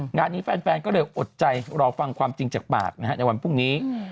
งานนี้แฟนก็เลยอดใจรอฟังความจริงจากปากนะฮะในวันพรุ่งนี้